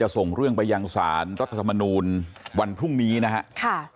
ส่งเรื่องไปยังสารรัฐธรรมนูลวันพรุ่งนี้นะครับ